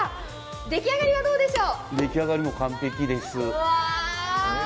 でき上がりはどうでしょう？